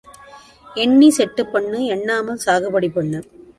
எண்ணிச் செட்டுப் பண்ணு எண்ணாமல் சாகுபடி பண்ணு.